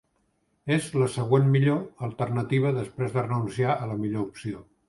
És la "següent millor" alternativa després de renunciar a la millor opció.